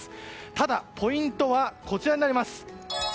ただ、ポイントはこちらになります。